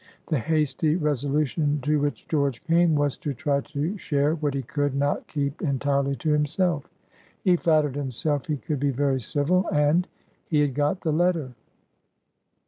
The hasty resolution to which George came was to try to share what he could not keep entirely to himself. He flattered himself he could be very civil, and—he had got the letter.